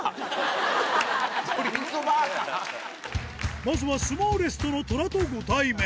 まずはスモーレストのトラとご対面。